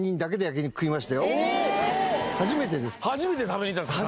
初めて食べに行ったんですか？